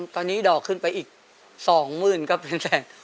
ตอนนี้ดอกขึ้นไปอีก๒หมื่นก็เป็นแสน